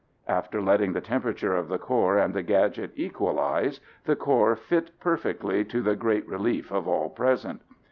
After letting the temperatures of the core and the gadget equalize, the core fit perfectly to the great relief of all present.